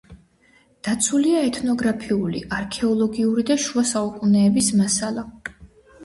დაცულია ეთნოგრაფიული, არქეოლოგიური და შუა საუკუნეების მასალა.